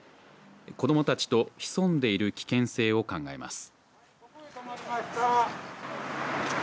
子どもたちと潜んでいる危険性を考えます。